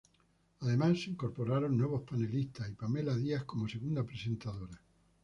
Además, se incorporaron nuevos panelistas y Pamela Díaz como segunda presentadora.